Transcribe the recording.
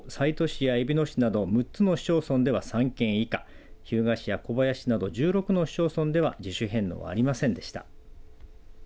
一方、西都市やえびの市など６つの市町村では３３件以下日向市や小林市など１６の市町村では自主返納はありませんでした。